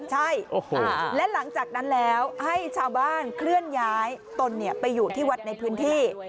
ใช่และหลังจากนั้นแล้วให้ชาวบ้านเคลื่อนย้ายตนไปอยู่ที่วัดในพื้นที่